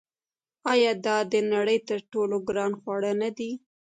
آیا دا د نړۍ تر ټولو ګران خواړه نه دي؟